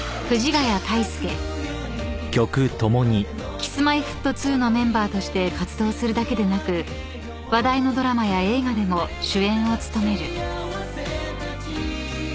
［Ｋｉｓ−Ｍｙ−Ｆｔ２のメンバーとして活動するだけでなく話題のドラマや映画でも主演を務める］